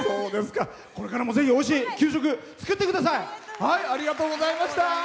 これからもおいしい給食作ってください。